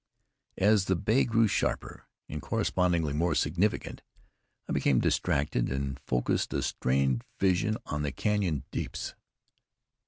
As the bay grew sharper, and correspondingly more significant, I became distracted, and focused a strained vision on the canyon deeps.